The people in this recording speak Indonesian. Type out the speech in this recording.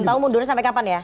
tahu mundurnya sampai kapan ya